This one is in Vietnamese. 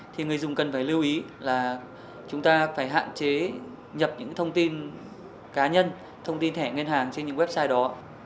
thì người dùng cần phải lưu ý là chúng ta phải hạn chế nhập những thông tin cá nhân thông tin thẻ ngân hàng trên những website đó